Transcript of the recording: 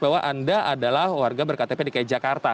bahwa anda adalah warga berktp dki jakarta